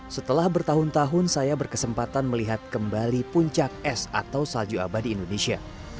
setelah bertahun tahun saya berkesempatan melihat kembali puncak es atau salju abadi indonesia